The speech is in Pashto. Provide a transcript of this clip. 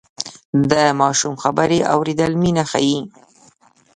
د ماشوم خبرې اورېدل مینه ښيي.